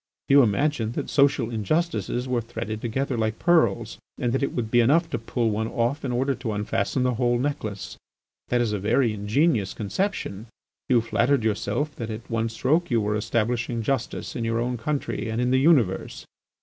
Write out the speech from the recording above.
You imagined that social injustices were threaded together like pearls and that it would be enough to pull off one in order to unfasten the whole necklace. That is a very ingenuous conception. You flattered yourself that at one stroke you were establishing justice in your own country and in the universe.